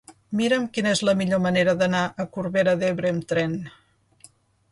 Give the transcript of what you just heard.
Mira'm quina és la millor manera d'anar a Corbera d'Ebre amb tren.